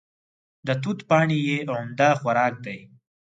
د توت پاڼې یې عمده خوراک دی.